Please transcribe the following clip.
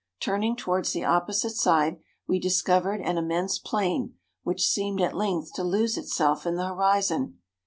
Turning towards the opposite side, we discovered an immense plain, which seemed at length to lose itself in the horizon.